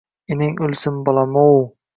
— Enang o’lsin bolam-ov